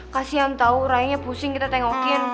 kasian tau rayanya pusing kita tengokin